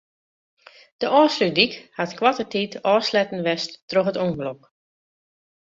De Ofslútdyk hat koarte tiid ôfsletten west troch it ûngelok.